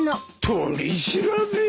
取り調べ？